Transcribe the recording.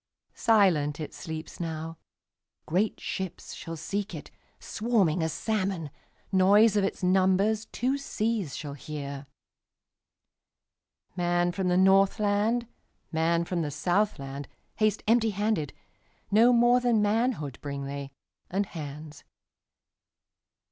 Silent it sleeps now; Great ships shall seek it, Swarming as salmon; Noise of its numbersTwo seas shall hear. Man from the Northland, Man from the Southland, Haste empty handed; No more than manhoodBring they, and hands.